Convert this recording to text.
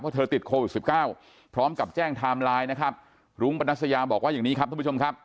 เพราะเธอติดโควิดสิบเก้าพร้อมกับแจ้งไทม์ไลน์นะครับรุ้งปนัสยาบอกว่าอย่างนี้ครับท่านผู้ชมครับ